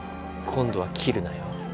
今度は斬るなよ。